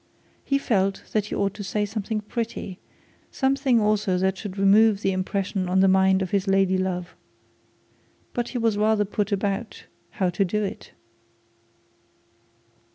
He felt that he ought to say something pretty, something also that should remove the impression on the mind of his lady love. But he was rather put about how to do it.